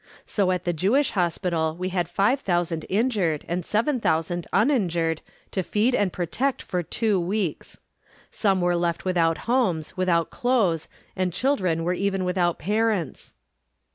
So at the Jewish Hospital we had five thousand injured and seven thousand uninjured to feed and protect for two weeks. Some were left without homes, without clothes, and children were even without parents.